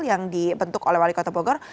yang dibentuk oleh wali kota bogor